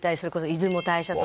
出雲大社ね。